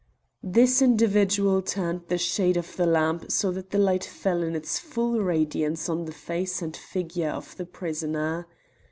This individual turned the shade of the lamp so that the light fell in its full radiance on the face and figure of the prisoner.